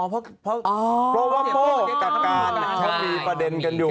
เพราะว่าโป้กับการเขามีประเด็นกันอยู่